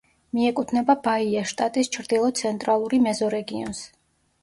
მიეკუთვნება ბაიას შტატის ჩრდილო-ცენტრალური მეზორეგიონს.